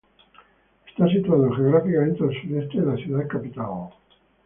Está situado geográficamente al sureste de la ciudad capital.